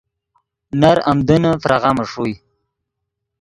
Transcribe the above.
نر آمدنّے فراغامے ݰوئے